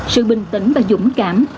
sự bình tĩnh và dũng cảm